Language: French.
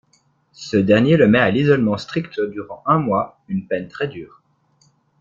Ce dernier le met à l'isolement strict durant un mois, une peine très dure.